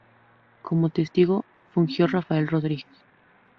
Como testigo fungió Rafael Rodríguez.